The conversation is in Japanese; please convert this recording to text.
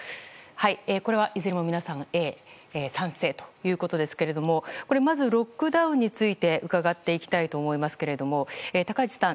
これは皆さんいずれもＡ、賛成ということですけれどもまず、ロックダウンについて伺っていきたいと思いますけれども高市さん